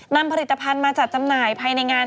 นำผลิตภัณฑ์มาจัดจำหน่ายภายในงาน